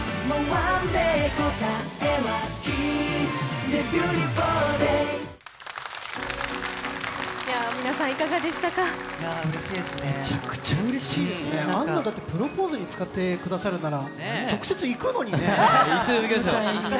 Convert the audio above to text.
あんな、プロポーズに使ってくださるなら、直接行くのにね。